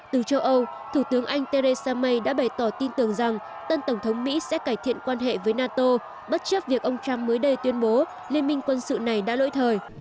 từ châu âu thủ tướng anh theresa may đã bày tỏ tin tưởng rằng tân tổng thống mỹ sẽ cải thiện quan hệ với nato bất chấp việc ông trump mới đây tuyên bố liên minh quân sự này đã lỗi thời